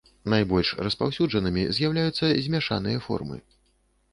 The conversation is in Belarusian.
Найбольш распаўсюджанымі з'яўляюцца змяшаныя формы.